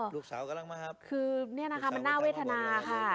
กำลังมาครับคือเนี่ยนะคะมันน่าเวทนาค่ะ